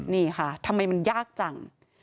นี่ค่ะทำไมมันยากจัง